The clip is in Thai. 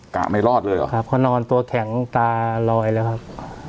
กะไม่รอดเลยเหรอครับเขานอนตัวแข็งตาลอยแล้วครับ